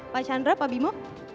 pak chandra pak bimo